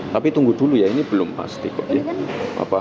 tapi tunggu dulu ya ini belum pasti kok ya